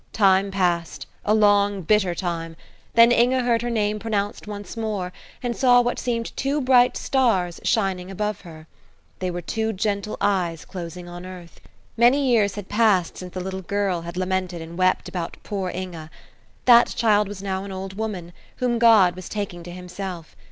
Time passed a long bitter time then Inge heard her name pronounced once more, and saw what seemed two bright stars shining above her. They were two gentle eyes closing on earth. Many years had passed since the little girl had lamented and wept about "poor Inge." That child was now an old woman, whom God was taking to Himself.